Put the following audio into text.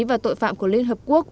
và tội phạm của liên hợp quốc